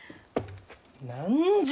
何じゃ！？